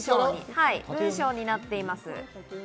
文章になっています。